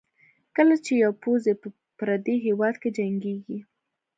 کله چې یو پوځي په پردي هېواد کې جنګېږي.